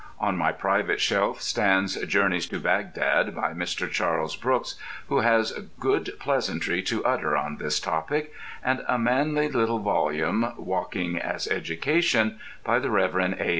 On my private shelf stands "Journeys to Bagdad" by Mr. Charles Brooks, who has good pleasantry to utter on this topic; and a manly little volume, "Walking as Education," by the Rev. A.